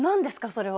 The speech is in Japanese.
それは。